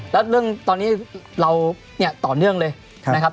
แล้วเรื่องตอนนี้เราเนี่ยต่อเนื่องเลยนะครับ